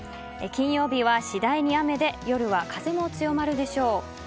金曜日は次第に雨で夜は風も強まるでしょう。